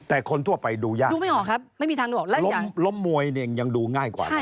แต่คนทั่วไปดูยากครับล้มมวยเนี่ยยังดูง่ายกว่านะ